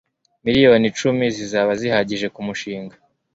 Miliyoni icumi zizaba zihagije kumushinga